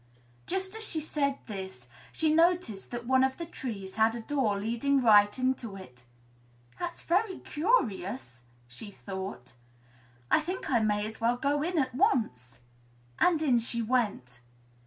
Just as she said this, she noticed that one of the trees had a door leading right into it. "That's very curious!" she thought. "I think I may as well go in at once." And in she went.